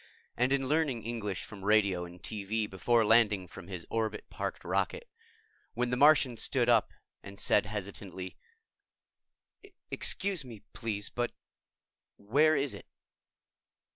and in learning English from radio and TV before landing from his orbit parked rocket, when the Martian stood up and said hesitantly, "Excuse me, please, but where is it?"